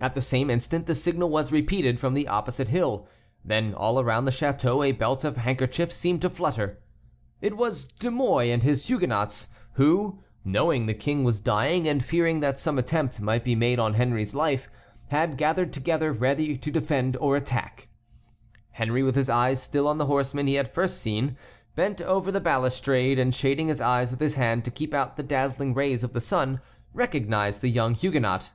At the same instant the signal was repeated from the opposite hill, then all around the château a belt of handkerchiefs seemed to flutter. It was De Mouy and his Huguenots, who, knowing the King was dying, and fearing that some attempt might be made on Henry's life, had gathered together, ready to defend or attack. Henry, with his eyes still on the horseman he had seen first, bent over the balustrade, and shading his eyes with his hand to keep out the dazzling rays of the sun, recognized the young Huguenot.